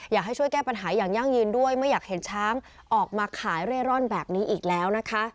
อยากให้ช่วยแก้ปัญหาอย่างยั่งยืนด้วยไม่อยากเห็นช้างออกมาขายเร่ร่อนแบบนี้อีกแล้วนะคะ